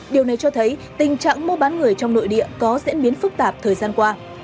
điều này cho thấy tình trạng mua bán người trong nội địa có diễn biến phức tạp thời gian qua